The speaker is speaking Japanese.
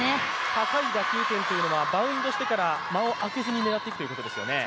高い打球点というのは、バウンドをしてから、間をあけずに狙っていくということですよね。